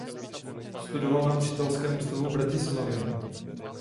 Studoval na Učitelském ústavu v Bratislavě.